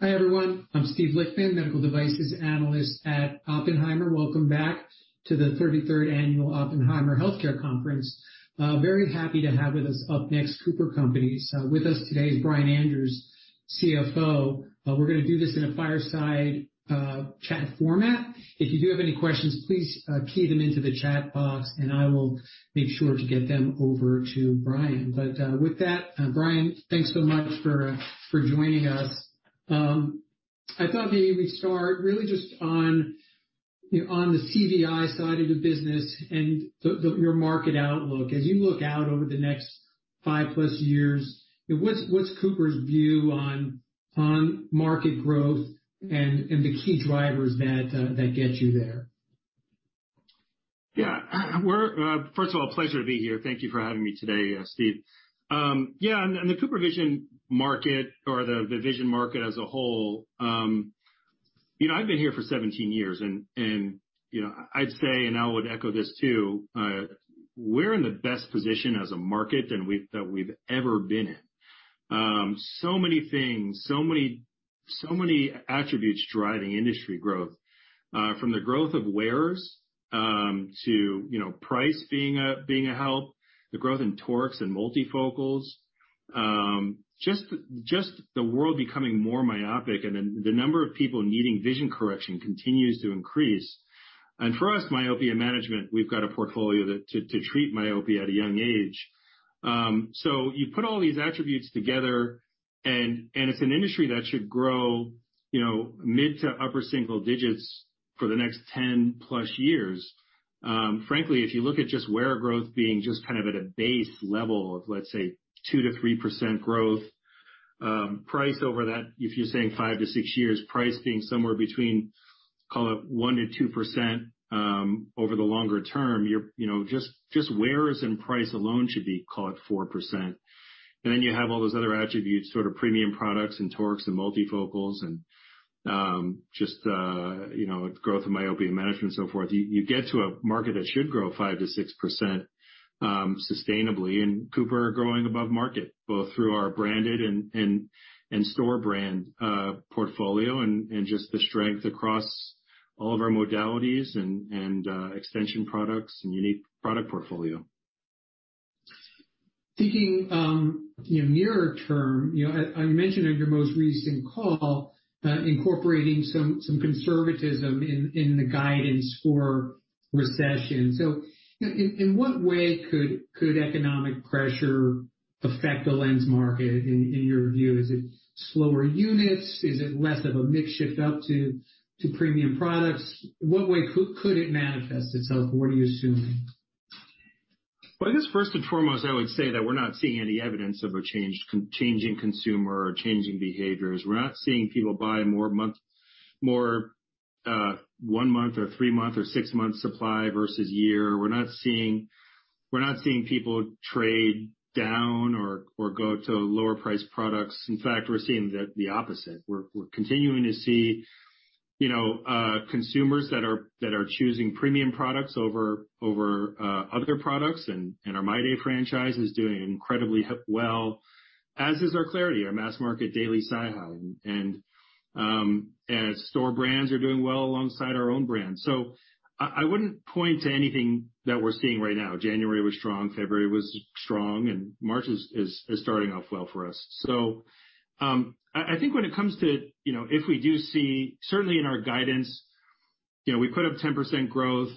Hi, everyone. I'm Steve Lichtman, medical devices analyst at Oppenheimer. Welcome back to the 33rd annual Oppenheimer Healthcare Conference. Very happy to have with us up next, The Cooper Companies. So with us today is Brian Andrews, CFO. We're gonna do this in a fireside chat format. If you do have any questions, please key them into the chat box, and I will make sure to get them over to Brian. With that, Brian, thanks so much for joining us. I thought maybe we'd start really just on, you know, on the CVI side of the business and your market outlook. As you look out over the next five-plus years, you know, what's Cooper's view on market growth and the key drivers that get you there? Yeah. First of all, a pleasure to be here. Thank you for having me today, Steve. Yeah. The CooperVision market or the vision market as a whole, you know, I've been here for 17 years, and you know, I'd say, and I would echo this too, we're in the best position as a market that we've ever been in. So many things, so many, so many attributes driving industry growth, from the growth of wearers, to, you know, price being a help, the growth in torics and multifocals. Just, just the world becoming more myopic, the number of people needing vision correction continues to increase. And for us, myopia management, we've got a portfolio to treat myopia at a young age. So you put all these attributes together, and it's an industry that should grow, you know, mid to upper single digits for the next 10+ years. Frankly, if you look at just wearer growth being just kind of at a base level of, let's say, 2%-3% growth, price over that, if you're saying 5-6 years, price being somewhere between, call it, 1%-2%, over the longer term, you're, you know, just wearers and price alone should be, call it, 4%. And you have all those other attributes, sort of premium products and torics and multifocals and, just, you know, growth in myopia management and so forth. You get to a market that should grow 5%-6%, sustainably. Cooper are growing above market, both through our branded and store brand, portfolio, and just the strength across all of our modalities and extension products and unique product portfolio. Thinking, you know, near term, you know, I mentioned on your most recent call, incorporating some conservatism in the guidance for recession. So, you know, in what way could economic pressure affect the lens market in your view? Is it slower units? Is it less of a mix shift up to premium products? What way could it manifest itself, or what are you assuming? Well, I guess first and foremost, I would say that we're not seeing any evidence of a change, changing consumer or changing behaviors. We're not seeing people buy more one-month or three-month or six-month supply versus year. We're not seeing people trade down or go to lower priced products. In fact, we're seeing the opposite. We're continuing to see, you know, consumers that are choosing premium products over other products, and our MyDay franchise is doing incredibly well, as is our clariti, our mass market daily scleral and as store brands are doing well alongside our own brands. So I wouldn't point to anything that we're seeing right now. January was strong, February was strong, and March is starting off well for us. So, I think when it comes to, you know, if we do see certainly in our guidance, you know, we put up 10% growth.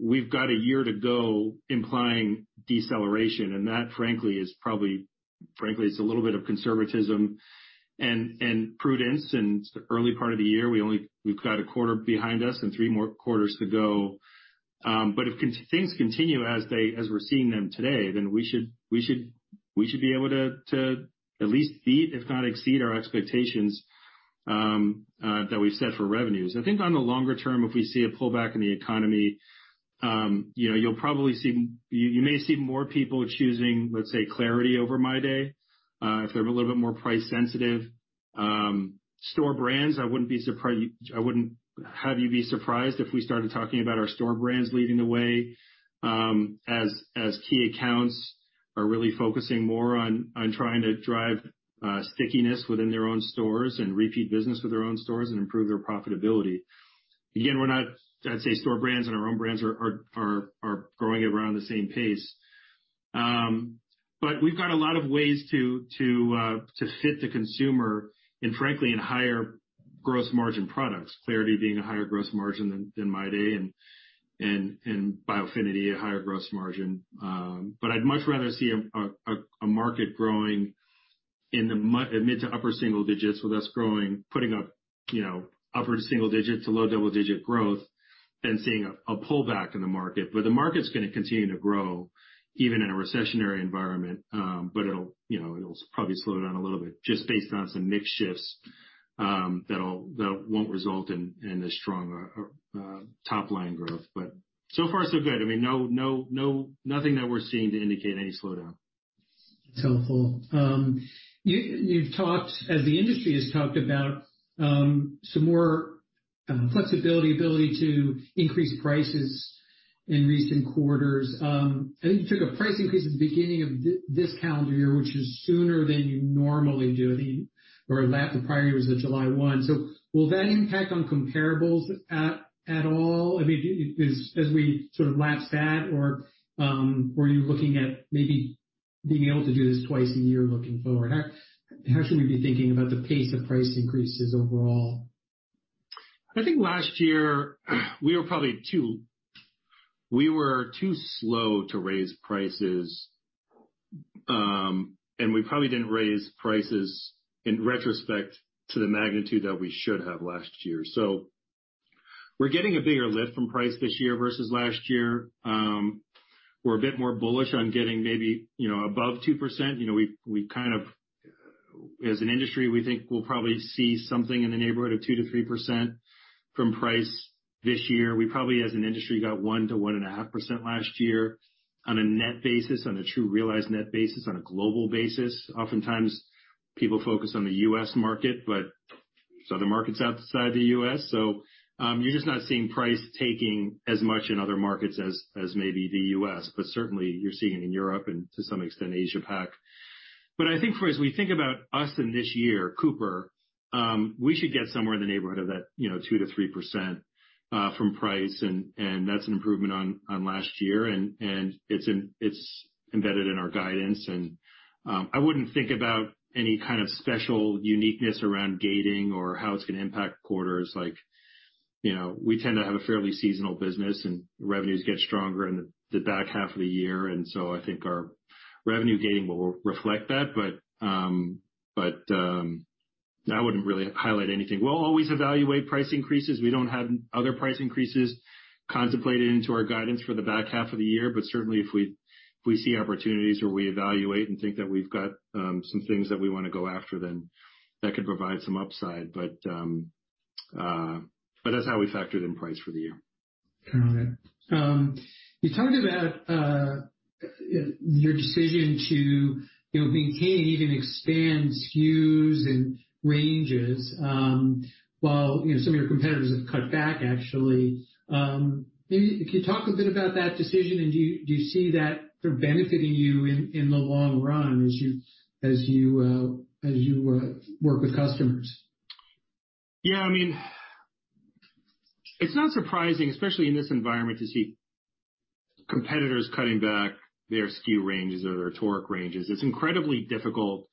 We've got a year to go implying deceleration. That, frankly, is probably frankly is a little bit of conservatism and prudence. And it's the early part of the year. We only we've got a quarter behind us and three more quarters to go. But if things continue as they as we're seeing them today, then we should be able to at least meet, if not exceed, our expectations that we've set for revenues. I think on the longer term, if we see a pullback in the economy, you know, you'll probably see, you may see more people choosing, let's say, clariti over MyDay, if they're a little bit more price sensitive. Store brands, I wouldn't have you be surprised if we started talking about our store brands leading the way, as key accounts are really focusing more on trying to drive stickiness within their own stores and repeat business with their own stores and improve their profitability. Again, we're not, I'd say, store brands and our own brands are growing at around the same pace. But we've got a lot of ways to fit the consumer and frankly, in higher gross margin products, clariti being a higher gross margin than MyDay and Biofinity a higher gross margin. But I'd much rather see a market growing in the mid to upper single digits, with us growing, putting up, you know, upper single digits to low double-digit growth than seeing a pullback in the market. But the market's gonna continue to grow even in a recessionary environment. It'll, you know, it'll probably slow down a little bit just based on some mix shifts that won't result in as strong a top-line growth. So far, so good. No, no, no, nothing that we're seeing to indicate any slowdown. That's helpful. You've talked, as the industry has talked about, some more flexibility, ability to increase prices in recent quarters. I think you took a price increase at the beginning of this calendar year, which is sooner than you normally do. I mean, or the prior year was the July one. So will that impact on comparables at all? I mean, as we sort of lapse that, or were you looking at maybe being able to do this twice a year looking forward? How, how should we be thinking about the pace of price increases overall? I think last year we were probably too slow to raise prices, and we probably didn't raise prices in retrospect to the magnitude that we should have last year. So we're getting a bigger lift from price this year versus last year. We're a bit more bullish on getting maybe, you know, above 2%. You know, we kind of, as an industry, we think we'll probably see something in the neighborhood of 2%-3% from price this year. We probably, as an industry, got 1%-1.5% last year on a net basis, on a true realized net basis, on a global basis. Oftentimes, people focus on the U.S. market, there's other markets outside the U.S. You're just not seeing price taking as much in other markets as maybe the U.S., but certainly you're seeing it in Europe and to some extent, Asia Pac. But I think as we think about us in this year, Cooper, we should get somewhere in the neighborhood of that, you know, 2%-3% from price and that's an improvement on last year and it's embedded in our guidance. And, I wouldn't think about any kind of special uniqueness around gating or how it's going to impact quarters like. You know, we tend to have a fairly seasonal business and revenues get stronger in the back half of the year. And so I think our revenue gating will reflect that. But, but I wouldn't really highlight anything. We'll always evaluate price increases. We don't have other price increases contemplated into our guidance for the back half of the year. But certainly if we see opportunities where we evaluate and think that we've got some things that we want to go after, then that could provide some upside. But that's how we factor in price for the year. Got it. You talked about your decision to, you know, maintain and even expand SKUs and ranges, while, you know, some of your competitors have cut back, actually. Maybe can you talk a bit about that decision, and do you see that they're benefiting you in the long run as you work with customers? Yeah. I mean, it's not surprising, especially in this environment, to see competitors cutting back their SKU ranges or their toric ranges. It's incredibly difficult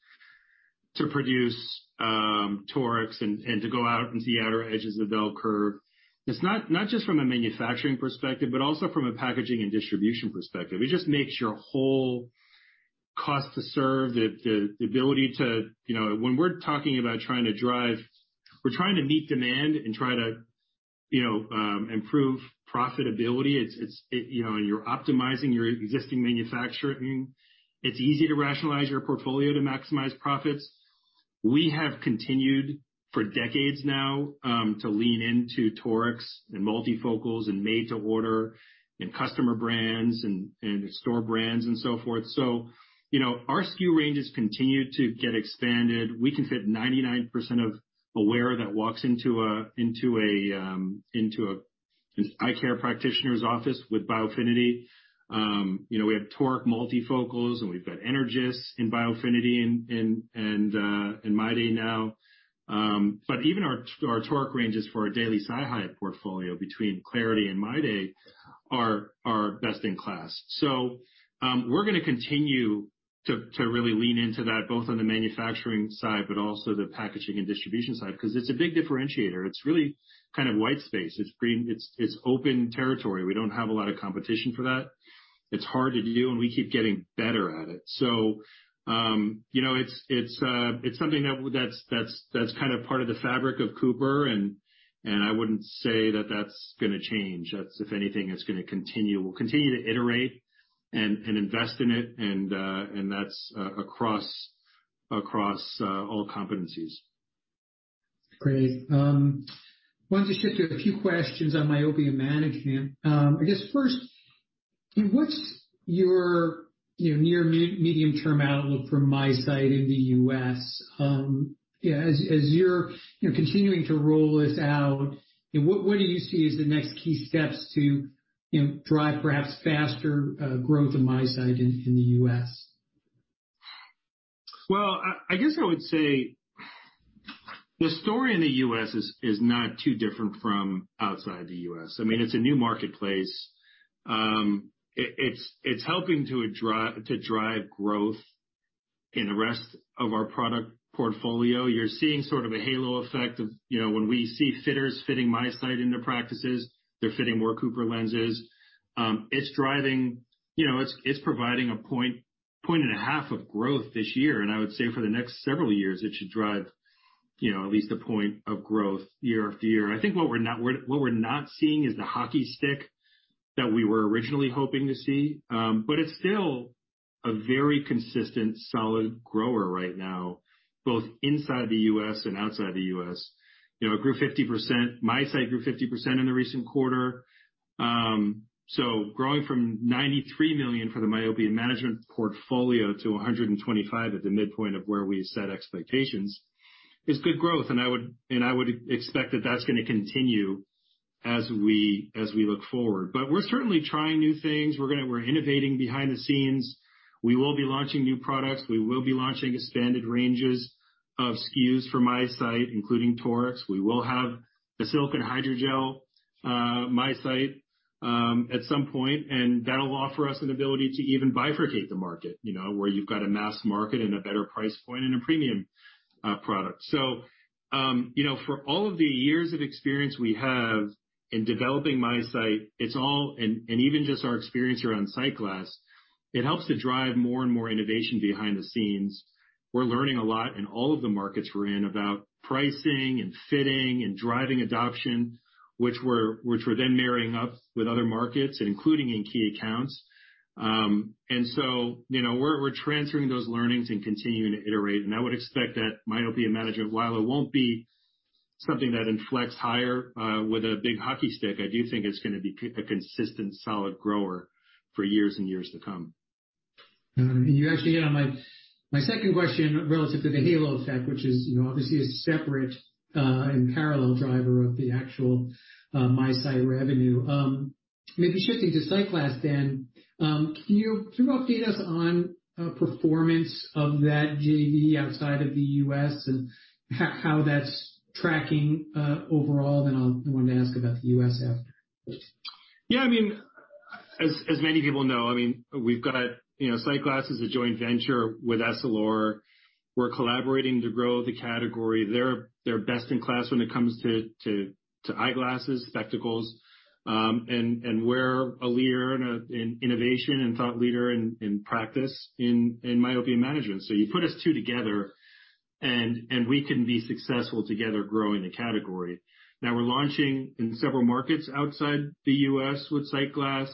to produce torics and to go out into the outer edges of the bell curve. It's not just from a manufacturing perspective, but also from a packaging and distribution perspective. It just makes your whole cost to serve the ability to-- You know, when we're talking about trying to drive, we're trying to meet demand and try to, you know, improve profitability. It's, you know, you're optimizing your existing manufacturing. It's easy to rationalize your portfolio to maximize profits. We have continued for decades now to lean into torics and multifocals and made-to-order and customer brands and store brands and so forth. You know, our SKU ranges continue to get expanded. We can fit 99% of a wearer that walks into an eye care practitioner's office with Biofinity. You know, we have toric multifocals, and we've got Energys in Biofinity and MyDay now. But even our toric ranges for our daily SiHy portfolio between clariti and MyDay are best in class. We're gonna continue to really lean into that, both on the manufacturing side, but also the packaging and distribution side, 'cause it's a big differentiator. It's really kind of white space. It's open territory. We don't have a lot of competition for that. It's hard to do, and we keep getting better at it. So, you know, it's something that that's kind of part of the fabric of Cooper, and I wouldn't say that that's going to change. That's, if anything, it's going to continue. We'll continue to iterate and invest in it, and that's across all competencies. Great. Wanted to get to a few questions on myopia management. I guess first, what's your, you know, near medium-term outlook for MiSight in the U.S.? You know, as you're continuing to roll this out, what do you see as the next key steps to, you know, drive perhaps faster growth of MiSight in the U.S.? Well, I guess I would say the story in the U.S. is not too different from outside the U.S. I mean, it's a new marketplace. It's, it's helping to drive growth in the rest of our product portfolio. You're seeing sort of a halo effect of, you know, when we see fitters fitting MiSight in their practices, they're fitting more Cooper lenses. It's driving, you know, it's providing 1.5 points of growth this year, and I would say for the next several years, it should drive, you know, at least one point of growth year after year. I think what we're not seeing is the hockey stick that we were originally hoping to see. It's still a very consistent, solid grower right now, both inside the U.S. and outside the U.S. You know, it grew 50%. MiSight grew 50% in the recent quarter. So growing from $93 million for the myopia management portfolio to $125 million at the midpoint of where we set expectations is good growth. And I would expect that that's gonna continue as we look forward. But we're certainly trying new things. We're innovating behind the scenes. We will be launching new products. We will be launching expanded ranges of SKUs for MiSight, including toric. We will have the silicone hydrogel MiSight at some point, and that'll offer us an ability to even bifurcate the market, you know, where you've got a mass market and a better price point and a premium product. So, you know, for all of the years of experience we have in developing MiSight, even just our experience around SightGlass, it helps to drive more and more innovation behind the scenes. We're learning a lot in all of the markets we're in about pricing and fitting and driving adoption, which we're then marrying up with other markets, including in key accounts. And so, you know, we're transferring those learnings and continuing to iterate, and I would expect that myopia management, while it won't be something that inflex higher with a big hockey stick, I do think it's gonna be a consistent, solid grower for years and years to come. You actually hit on my second question relative to the halo effect, which is, you know, obviously a separate and parallel driver of the actual MiSight revenue. Maybe shifting to SightGlass then, can you update us on performance of that JV outside of the U.S. and how that's tracking overall? I wanted to ask about the U.S. after. Yeah. I mean, as many people know, I mean, we've got, you know, SightGlass is a joint venture with Essilor. We're collaborating to grow the category. They're best in class when it comes to eyeglasses, spectacles, and we're a leader in innovation and thought leader in practice in myopia management. You put us two together and we can be successful together growing the category. Now, we're launching in several markets outside the U.S. with SightGlass.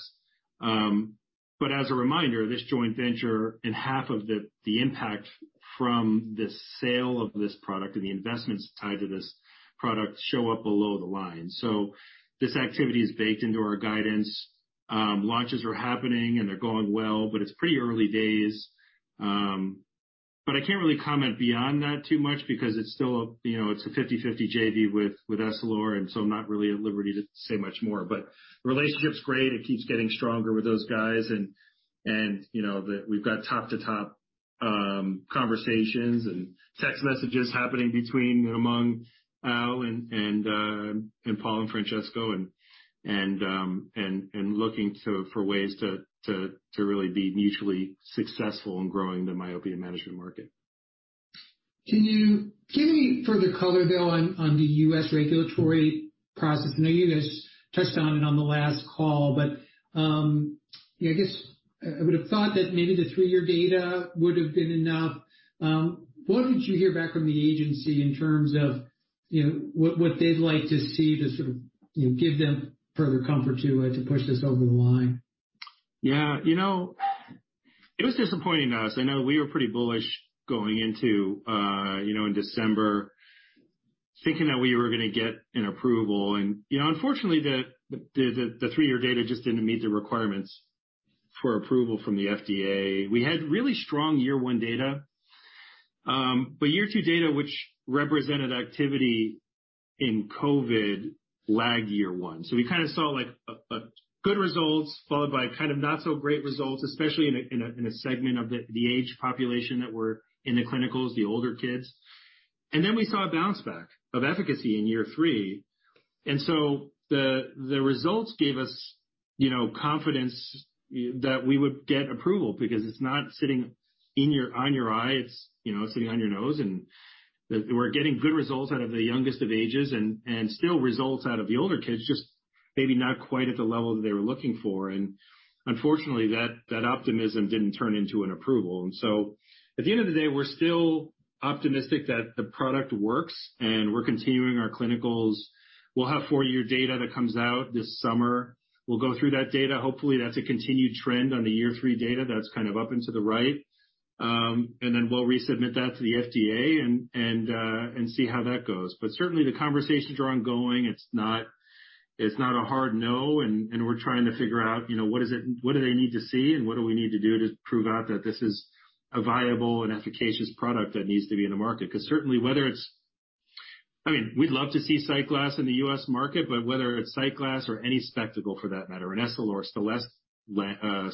But as a reminder, this joint venture and half of the impact from the sale of this product and the investments tied to this product show up below the line. So, this activity is baked into our guidance. Launches are happening, and they're going well, but it's pretty early days. But I can't really comment beyond that too much because it's still a, you know, it's a 50/50 JV with Essilor, I'm not really at liberty to say much more. The relationship's great. It keeps getting stronger with those guys, you know, we've got top-to-top conversations and text messages happening between among Al and Paul and Francesco and, and looking for ways to really be mutually successful in growing the myopia management market. Can you give any further color, Brian, on the U.S. regulatory process? I know you guys touched on it on the last call, but, you know, I guess I would have thought that maybe the three-year data would have been enough. What did you hear back from the agency in terms of, you know, what they'd like to see to sort of, you know, give them further comfort to push this over the line? Yeah. You know, it was disappointing to us. I know we were pretty bullish going into, you know, in December thinking that we were gonna get an approval and. You know, unfortunately, the three-year data just didn't meet the requirements for approval from the FDA. We had really strong year one data, but year two data, which represented activity in COVID lagged year one. We kinda saw like good results followed by kind of not-so-great results, especially in a segment of the age population that were in the clinicals, the older kids. And then we saw a bounce back of efficacy in year three. And so, the results gave us, you know, confidence that we would get approval because it's not sitting on your eyes. You know, it's sitting on your nose. And we're getting good results out of the youngest of ages and still results out of the older kids, just maybe not quite at the level that they were looking for. Unfortunately, that optimism didn't turn into an approval. And so, at the end of the day, we're still optimistic that the product works, and we're continuing our clinicals. We'll have four-year data that comes out this summer. We'll go through that data. Hopefully, that's a continued trend on the year three data that's kind of up and to the right. Then we'll resubmit that to the FDA and see how that goes. But certainly, the conversations are ongoing. It's not a hard no, and we're trying to figure out, you know, what do they need to see, and what do we need to do to prove out that this is a viable and efficacious product that needs to be in the market? 'Cause certainly whether it's I mean, we'd love to see SightGlass in the U.S. market, but whether it's SightGlass or any spectacle for that matter, an Essilor Stellest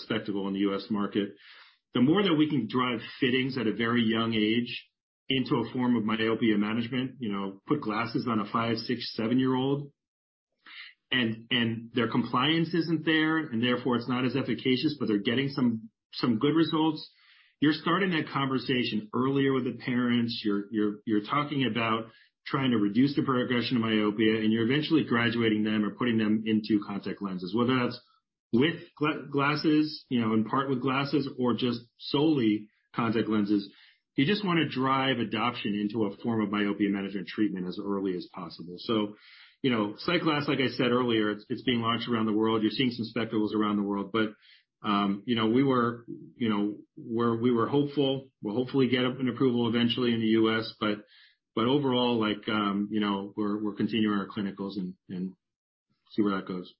spectacle in the U.S. market, the more that we can drive fittings at a very young age into a form of myopia management, you know, put glasses on a five, six, seven-year-old and their compliance isn't there, and therefore it's not as efficacious, but they're getting some good results, you're starting that conversation earlier with the parents. You're, you're, you're talking about trying to reduce the progression of myopia, and you're eventually graduating them or putting them into contact lenses, whether that's with glasses, you know, in part with glasses or just solely contact lenses. You just wanna drive adoption into a form of myopia management treatment as early as possible. So, you know, SightGlass, like I said earlier, it's being launched around the world. You're seeing some spectacles around the world. But, you know, we were, you know, we were hopeful. We'll hopefully get an approval eventually in the U.S. Overall, like, you know, we're continuing our clinicals and see where that goes.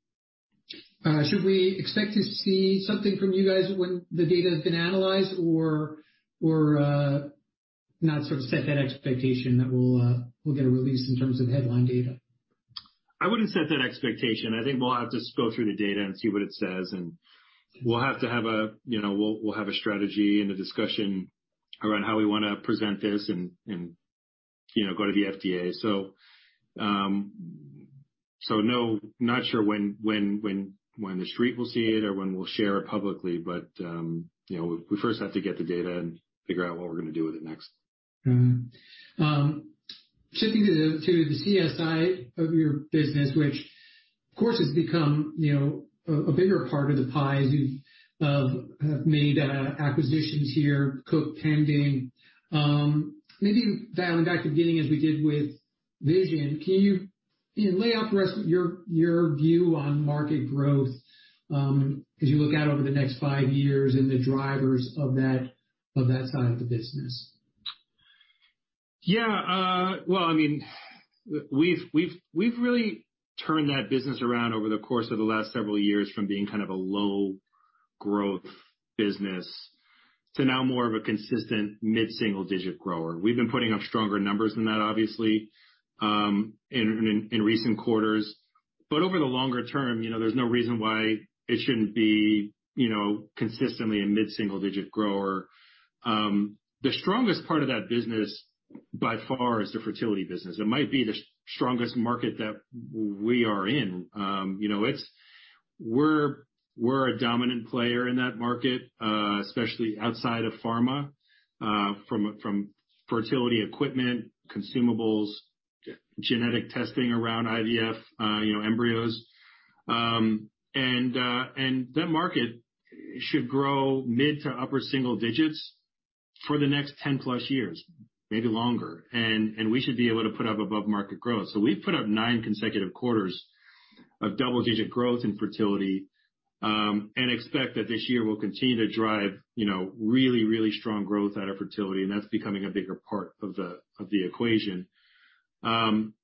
Should we expect to see something from you guys when the data has been analyzed or, not sort of set that expectation that we'll get a release in terms of headline data? I wouldn't set that expectation. I think we'll have to go through the data and see what it says. And, we'll have to have a, you know, we'll have a strategy and a discussion around how we wanna present this and, you know, go to the FDA. So, no, not sure when The Street will see it or when we'll share it publicly. You know, we first have to get the data and figure out what we're gonna do with it next. Shifting to the CSI of your business which, of course, has become, you know, a bigger part of the pie as you have made acquisitions here, Cook pending. Maybe dialing back to the beginning, as we did with vision, can you know, lay out for us your view on market growth, as you look out over the next five years and the drivers of that side of the business? Yeah. Well, I mean, we've really turned that business around over the course of the last several years from being kind of a low growth business to now more of a consistent mid-single digit grower. We've been putting up stronger numbers than that, obviously, in recent quarters. But over the longer term, you know, there's no reason why it shouldn't be, you know, consistently a mid-single digit grower. The strongest part of that business by far is the fertility business. It might be the strongest market that we are in. You know, we're, we're a dominant player in that market, especially outside of pharma, from fertility equipment, consumables, genetic testing around IVF, you know, embryos. And that market should grow mid to upper single digits for the next 10+ years, maybe longer, and we should be able to put up above market growth. So we've put up nine consecutive quarters of double-digit growth in fertility, and expect that this year we'll continue to drive, you know, really, really strong growth out of fertility, and that's becoming a bigger part of the equation.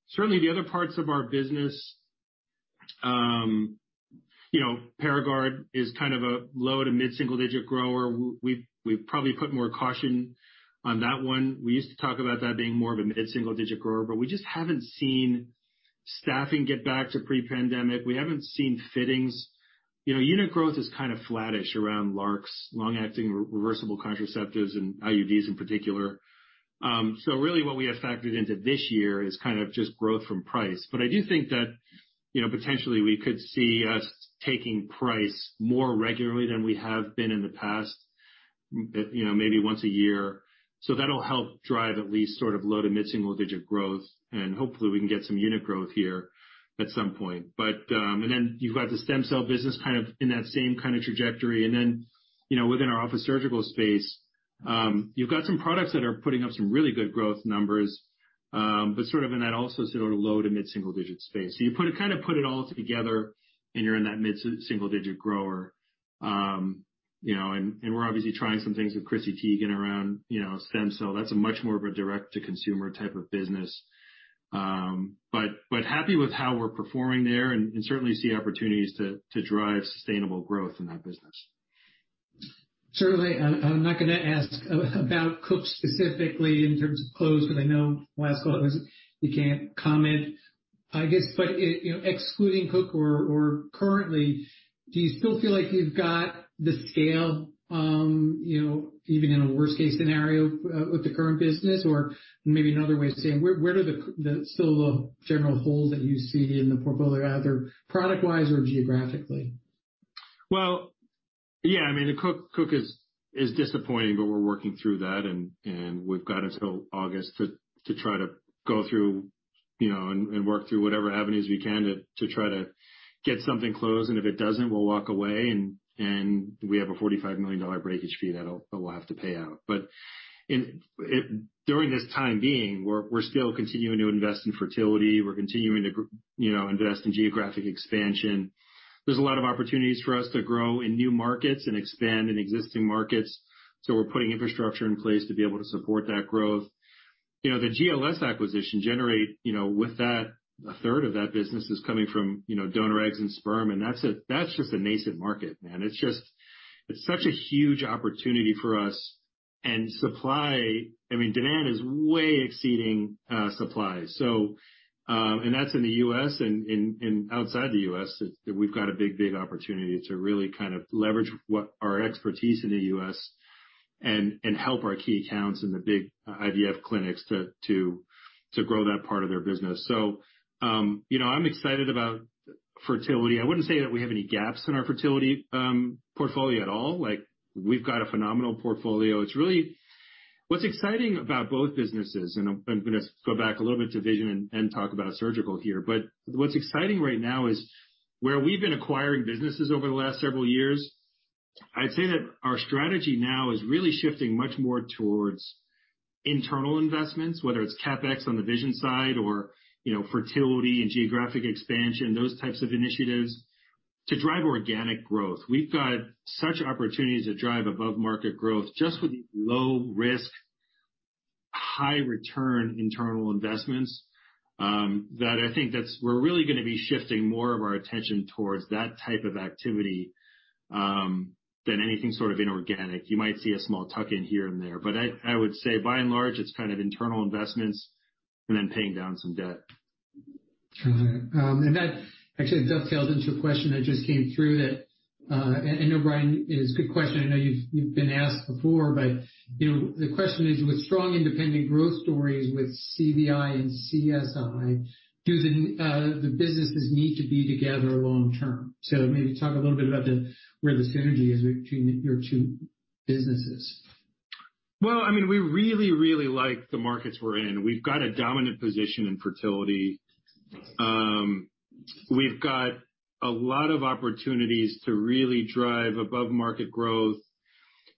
Certainly the other parts of our business, you know, Paragard is kind of a low to mid-single-digit grower. We've probably put more caution on that one. We used to talk about that being more of a mid-single-digit grower, but we just haven't seen staffing get back to pre-pandemic. We haven't seen fittings. You know, unit growth is kind of flattish around LARCs, long-acting reversible contraceptives, and IUDs in particular. And so, really what we have factored into this year is kind of just growth from price. But I do think that, you know, potentially we could see us taking price more regularly than we have been in the past, you know, maybe once a year. So that'll help drive at least sort of low to mid-single digit growth, and hopefully we can get some unit growth here at some point. But then you've got the stem cell business kind of in that same kind of trajectory. And then, you know, within our office surgical space, you've got some products that are putting up some really good growth numbers, but sort of in that also sort of low to mid-single digit space. You put it kind of put it all together, and you're in that mid-single digit grower. You know, we're obviously trying some things with Chrissy Teigen around, you know, stem cell. That's much more of a direct to consumer type of business. But happy with how we're performing there and certainly see opportunities to drive sustainable growth in that business. Certainly, I'm not gonna ask about Cook specifically in terms of close 'cause I know last call it was you can't comment, I guess. You know, excluding Cook or currently, do you still feel like you've got the scale, you know, even in a worst case scenario with the current business? Or maybe another way of saying, where are the still the general holes that you see in the portfolio, either product-wise or geographically? Well, yeah, I mean, Cook is disappointing, we're working through that and we've got until August to try to go through, you know, and work through whatever avenues we can to try to get something closed. If it doesn't, and we'll walk away and we have a $45 million breakage fee that we'll have to pay out. But during this time being, we're still continuing to invest in fertility. We're continuing to you know, invest in geographic expansion. There's a lot of opportunities for us to grow in new markets and expand in existing markets, we're putting infrastructure in place to be able to support that growth. You know, the GLS acquisition generate, you know, with that, a third of that business is coming from, you know, donor eggs and sperm, that's just a nascent market, man. It's just, it's such a huge opportunity for us. And supply, I mean, demand is way exceeding supply. So that's in the U.S, and outside the U.S. that we've got a big opportunity to really kind of leverage what our expertise in the U.S. and help our key accounts in the big IVF clinics to grow that part of their business. So, you know, I'm excited about fertility. I wouldn't say that we have any gaps in our fertility portfolio at all. Like we've got a phenomenal portfolio. It's really what's exciting about both businesses, and I'm gonna go back a little bit to vision and talk about surgical here. But what's exciting right now is where we've been acquiring businesses over the last several years, I'd say that our strategy now is really shifting much more towards internal investments, whether it's CapEx on the vision side or, you know, fertility and geographic expansion, those types of initiatives to drive organic growth. We've got such opportunities to drive above market growth just with low risk-High return internal investments, that I think that's we're really gonna be shifting more of our attention towards that type of activity than anything sort of inorganic. You might see a small tuck in here and there, but I would say by and large, it's kind of internal investments and then paying down some debt. All right. That actually dovetails into a question that just came through that, I know Brian is a good question, I know you've been asked before, but, you know, the question is. With strong independent growth stories with CVI and CSI, do the businesses need to be together long term? So maybe talk a little bit about the, where the synergy is between your two businesses. Well, I mean, we really, really like the markets we're in. We've got a dominant position in fertility. We've got a lot of opportunities to really drive above market growth.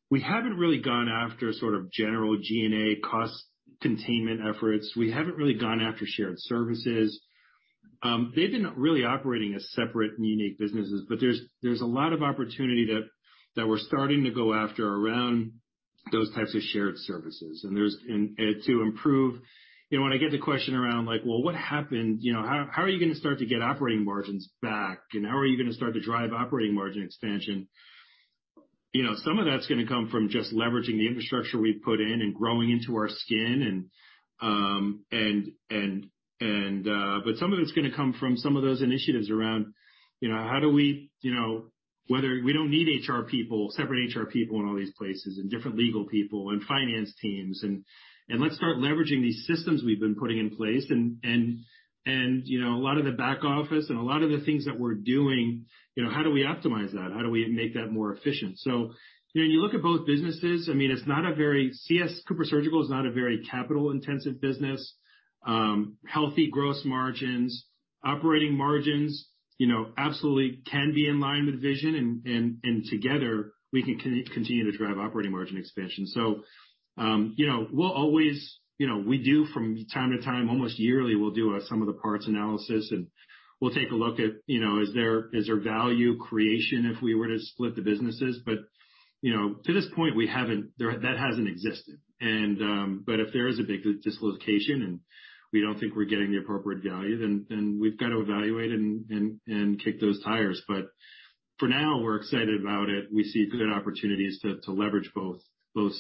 We haven't really gone after sort of general G&A cost containment efforts. We haven't really gone after shared services. They've been really operating as separate and unique businesses, but there's a lot of opportunity that we're starting to go after around those types of shared services. And there's to improve... You know, when I get the question around like, "Well, what happened?" You know, "How are you gonna start to get operating margins back? And how are you gonna start to drive operating margin expansion?" You know, some of that's gonna come from just leveraging the infrastructure we've put in and growing into our skin and, and, and, but some of it's gonna come from some of those initiatives around, you know, how do we, you know, whether we don't need HR people, separate HR people in all these places, and different legal people and finance teams and, let's start leveraging these systems we've been putting in place. And, and, you know, a lot of the back office and a lot of the things that we're doing, you know, how do we optimize that? How do we make that more efficient? So, you know, when you look at both businesses, I mean, CS, CooperSurgical is not a very capital-intensive business. Healthy gross margins. Operating margins, you know, absolutely can be in line with vision and, and together, we can continue to drive operating margin expansion. So, you know, we'll always, you know, we do from time to time, almost yearly, we'll do some of the parts analysis, and we'll take a look at, you know, is there value creation if we were to split the businesses? You know, to this point, that hasn't existed. And, but if there is a big dislocation and we don't think we're getting the appropriate value, then we've got to evaluate and kick those tires. But for now, we're excited about it. We see good opportunities to leverage both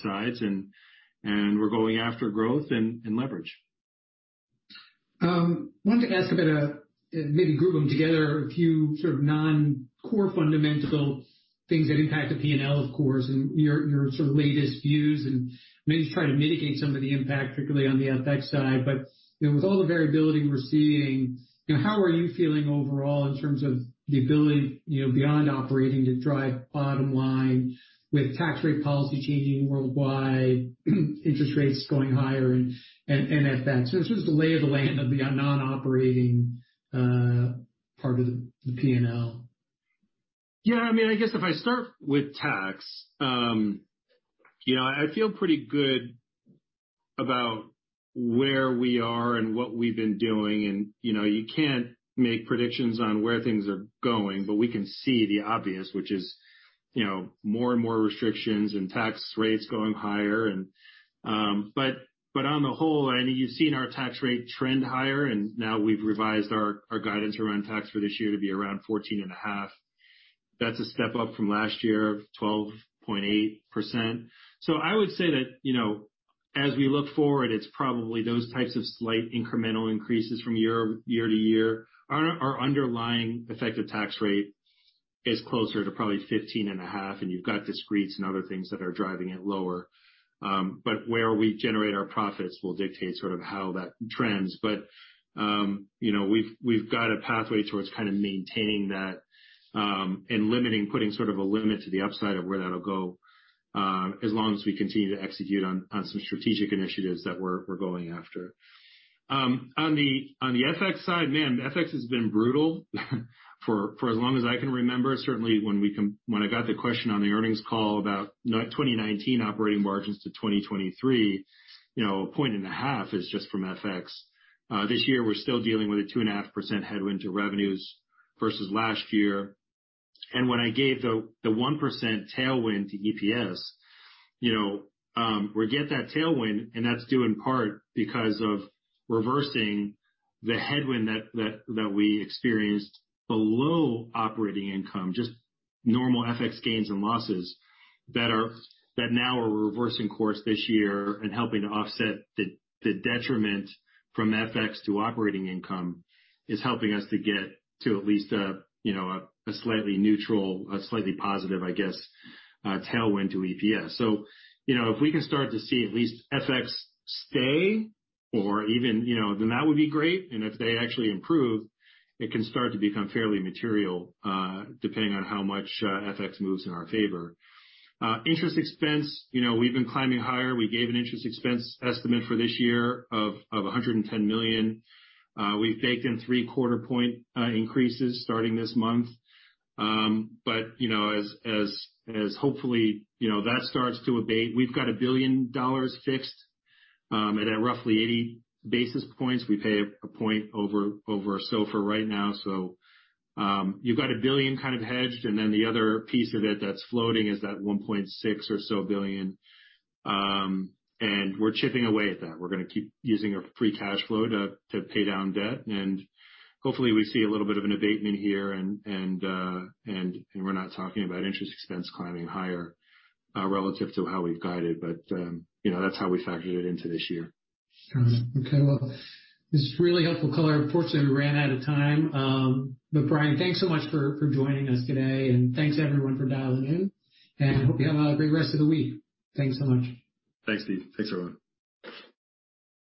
sides and we're going after growth and leverage. Wanted to ask about, maybe group them together, a few sort of non-core fundamental things that impact the P&L, of course, and your sort of latest views, and maybe try to mitigate some of the impact, particularly on the FX side. But, you know, with all the variability we're seeing, you know, how are you feeling overall in terms of the ability, you know, beyond operating to drive bottom line with tax rate policy changing worldwide, interest rates going higher and FX? Sort of the lay of the land of the non-operating part of the P&L. Yeah, I mean, I guess if I start with tax, you know, I feel pretty good about where we are and what we've been doing. And, you know, you can't make predictions on where things are going, but we can see the obvious, which is, you know, more and more restrictions and tax rates going higher. And, but on the whole, I think you've seen our tax rate trend higher, and now we've revised our guidance around tax for this year to be around 14.5%. That's a step up from last year of 12.8%. So I would say that, you know, as we look forward, it's probably those types of slight incremental increases from year to year. Our, our underlying effective tax rate is closer to probably 15.5%, and you've got discretes and other things that are driving it lower. But where we generate our profits will dictate sort of how that trends. But, you know, we've got a pathway towards kind of maintaining that and limiting, putting sort of a limit to the upside of where that'll go, as long as we continue to execute on some strategic initiatives that we're going after. On the, on the FX side, man, FX has been brutal for as long as I can remember. Certainly when I got the question on the earnings call about 2019 operating margins to 2023, you know, 1.5% is just from FX. This year, we're still dealing with a 2.5% headwind to revenues versus last year. And when I gave the 1% tailwind to EPS, you know, we get that tailwind, and that's due in part because of reversing the headwind that we experienced below operating income, just normal FX gains and losses that now we're reversing course this year and helping to offset the detriment from FX to operating income is helping us to get to at least a, you know, a slightly neutral, a slightly positive, I guess, tailwind to EPS. So if we can start to see at least FX stay or even, you know, then that would be great. If they actually improve, it can start to become fairly material, depending on how much FX moves in our favor. Interest expense, you know, we've been climbing higher. We gave an interest expense estimate for this year of $110 million. We've baked in three-quarter point increases starting this month. But, you know, as hopefully, you know, that starts to abate, we've got $1 billion fixed at a roughly 80 basis points. We pay a point over SOFR right now. So, you've got $1 billion kind of hedged, and then the other piece of it that's floating is that $1.6 or so billion, and we're chipping away at that. We're gonna keep using our free cash flow to pay down debt. And hopefully we see a little bit of an abatement here and, and, and we're not talking about interest expense climbing higher relative to how we've guided. But, you know, that's how we factored it into this year. All right. Okay. Well, this is really helpful color. Unfortunately, we ran out of time. Brian, thanks so much for joining us today. And thanks everyone for dialing in. And hope you have a great rest of the week. Thanks so much. Thanks, Steve. Thanks, everyone.